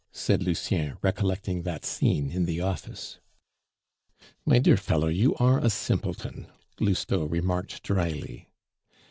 said Lucien, recollecting that scene in the office. "My dear fellow, you are a simpleton," Lousteau remarked drily.